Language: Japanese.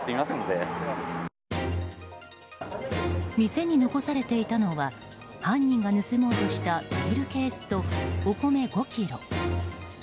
店に残されていたのは犯人が盗もうとしたビールケースとお米５ｋｇ。